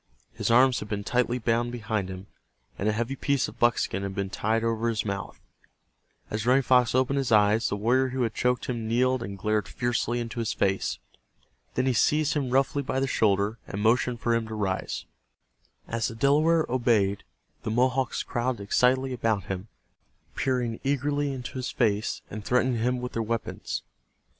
His arms had been tightly bound behind him, and a heavy piece of buckskin had been tied over his mouth. As Running Fox opened his eyes, the warrior who had choked him kneeled and glared fiercely into his face. Then he seized him roughly by the shoulder, and motioned for him to rise. As the Delaware obeyed the Mohawks crowded excitedly about him, peering eagerly into his face, and threatening him with their weapons.